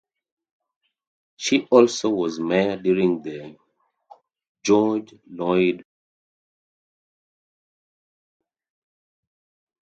She also was mayor during the George Floyd protests in Raleigh.